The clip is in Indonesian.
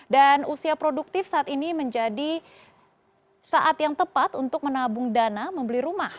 dan usia produktif saat ini menjadi saat yang tepat untuk menabung dana membeli rumah